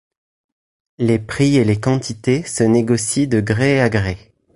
Les prix et les quantités se négocient de gré à gré.